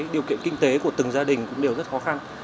điều kiện kinh tế của từng gia đình cũng đều rất khó khăn